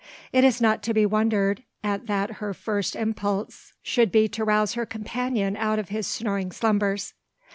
It is not to be wondered at that her first impulse should be to rouse her companion out of his snoring slumbers.